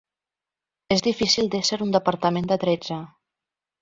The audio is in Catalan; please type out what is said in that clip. És difícil d’ésser un departament de tretze.